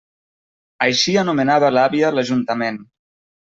Així anomenava l'àvia l'ajuntament.